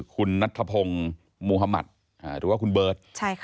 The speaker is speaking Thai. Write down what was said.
คุณนัทธพงศ์มุธมัติหรือว่าคุณเบิร์ต